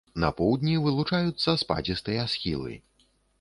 На поўдні вылучаюцца спадзістыя схілы.